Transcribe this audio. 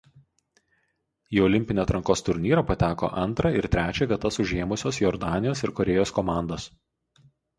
Į olimpinį atrankos turnyrą pateko antrą ir trečią vietas užėmusios Jordanijos ir Korėjos komandos.